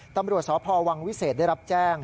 ตำรวจสพวังวิเศษได้รับแจ้ง